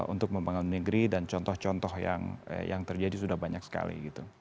untuk membangun negeri dan contoh contoh yang terjadi sudah banyak sekali